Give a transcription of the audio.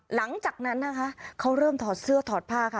หลังจากนั้นนะคะเขาเริ่มถอดเสื้อถอดผ้าค่ะ